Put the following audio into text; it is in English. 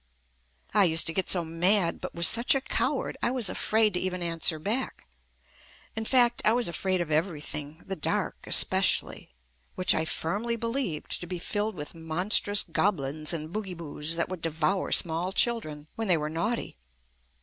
I used to get so mad, but was such a coward I was afraid to even an swer back. In fact I was afraid of everything, the dark especially, which I firmly believed to be filled with monstrous goblins and boogyboos JUST ME that would devour small children when they were naughty.